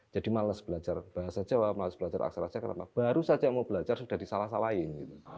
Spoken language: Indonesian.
jadi malas belajar bahasa jawa malas belajar aksarojo karena baru saja mau belajar sudah disalasalain